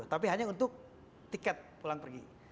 tapi hanya untuk tiket pulang pergi